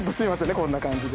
こんな感じで。